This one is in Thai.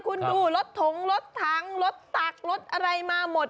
คุณดูรถถงรถถังรถตักรถอะไรมาหมด